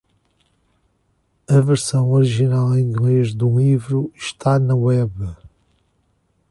A versão original em inglês do livro está na web.